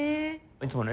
いつもね